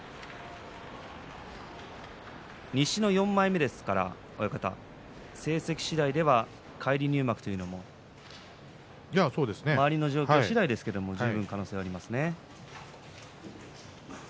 西の４枚目ですから成績次第では返り入幕ということも周りの状況次第ですけれど十分可能性がありますね。